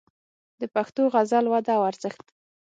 د پښتو غزل وده او ارزښت